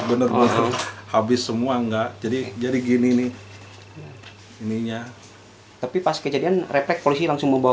bener bener habis semua enggak jadi jadi gini nih ininya tapi pas kejadian repek polisi langsung membawa